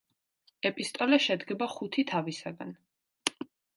ეპისტოლე შედგება ხუთი თავისაგან.